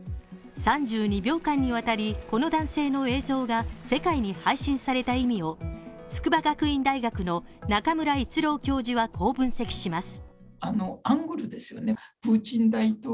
３２秒間にわたり、この男性の映像が世界に配信された意味を筑波学院大学の中村逸郎教授はこう分析します。